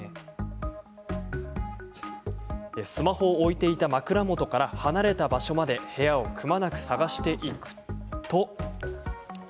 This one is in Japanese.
スマホを置いていた枕元から離れた場所まで、部屋をくまなく捜していくと。